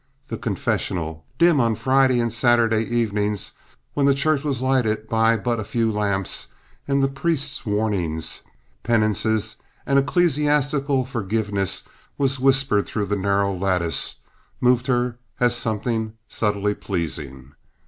The confessional, dim on Friday and Saturday evenings, when the church was lighted by but a few lamps, and the priest's warnings, penances, and ecclesiastical forgiveness whispered through the narrow lattice, moved her as something subtly pleasing.